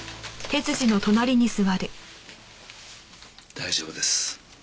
大丈夫です。